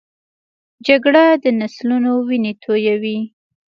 جګړه د نسلونو وینې تویوي